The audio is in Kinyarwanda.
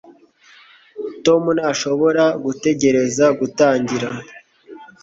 tom ntashobora gutegereza gutangira